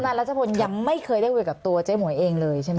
รัชพลยังไม่เคยได้คุยกับตัวเจ๊หมวยเองเลยใช่ไหม